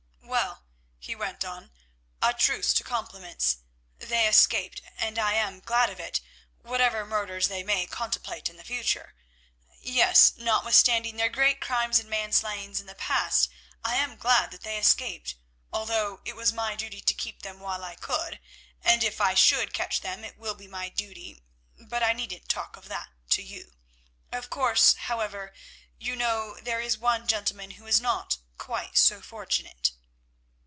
"Well," he went on, "a truce to compliments. They escaped, and I am glad of it, whatever murders they may contemplate in the future. Yes, notwithstanding their great crimes and manslayings in the past I am glad that they escaped, although it was my duty to keep them while I could—and if I should catch them it will be my duty—but I needn't talk of that to you. Of course, however, you know, there is one gentleman who was not quite so fortunate."